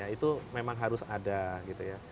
itu memang harus ada gitu ya